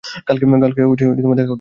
কালকে দেখা করতে আসবো।